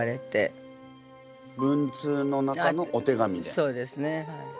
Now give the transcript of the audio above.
そうですね。